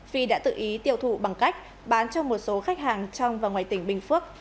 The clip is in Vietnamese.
phi đã tự ý tiêu thụ bằng cách bán cho một số khách hàng trong và ngoài tỉnh bình phước